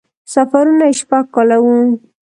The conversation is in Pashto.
سفرونه یې شپږ کاله وو.